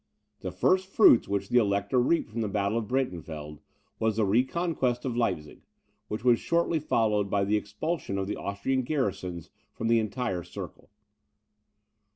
The first fruits which the Elector reaped from the battle of Breitenfeld, was the reconquest of Leipzig, which was shortly followed by the expulsion of the Austrian garrisons from the entire circle.